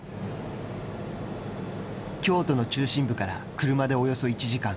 京都の中心部から車でおよそ１時間。